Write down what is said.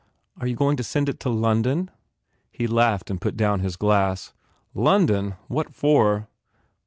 "Are you going to send it to London?" He laughed and put down his glass. "London ? What for?